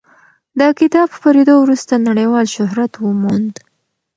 د کتاب خپرېدو وروسته نړیوال شهرت وموند.